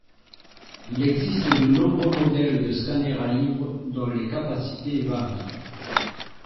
Il existe de nombreux modèles de scanners à livres dont les capacités varient.